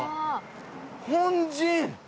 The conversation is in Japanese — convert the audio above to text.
本陣！